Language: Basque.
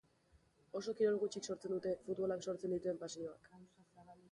Oso kirol gutxik sortzen dute futbolak sortzen dituen pasioak.